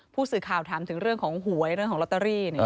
ผู้สื่อข่าวถามถึงเรื่องของหวยเรื่องของลอตเตอรี่